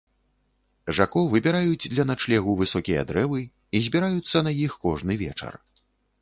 Жако выбіраюць для начлегу высокія дрэвы і збіраюцца на іх кожны вечар.